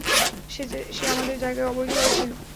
সে আমাদের জায়গায় অবৈধভাবে ছিল।